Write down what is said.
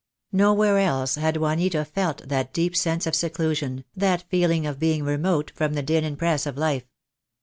Nowhere else had Juanita felt that deep sense of seclusion, that feeling of being remote from the din and press of life.